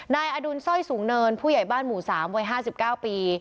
นายอดุลสร้อยสูงเนินผู้ใหญ่บ้านหมู่๓วัย๕๙ปี